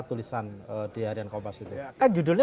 tulisan di harian kompas itu